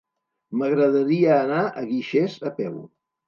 M'agradaria anar a Guixers a peu.